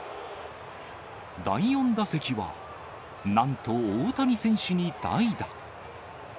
第４打席は、なんと大谷選手に代打。